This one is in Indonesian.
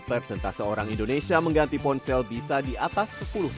persentase orang indonesia mengganti ponsel bisa di atas sepuluh